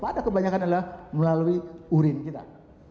pada kebanyakan adalah melalui urin kita